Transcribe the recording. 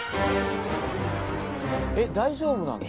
え大丈夫なの？